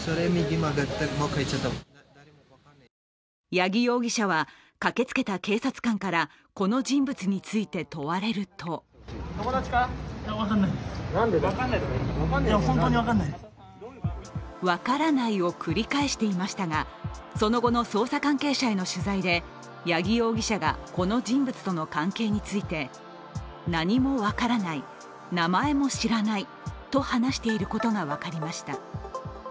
八木容疑者は、駆けつけた警察官からこの人物について問われると「分からない」を繰り返していましたがその後の捜査関係者への取材で八木容疑者がこの人物との関係について何も分からない、名前も知らないと話していることが分かりました。